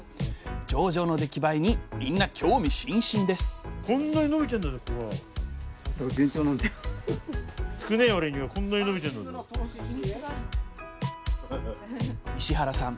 上々の出来栄えにみんな興味津々です石原さん